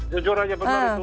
jujur saja benar itu